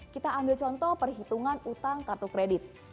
kita ambil contoh perhitungan utang kartu kredit